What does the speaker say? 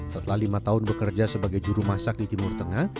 setelah lima tahun bekerja sebagai juru masak di timur tengah